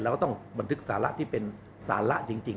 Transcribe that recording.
ก็ต้องบันทึกสาระที่เป็นสาระจริง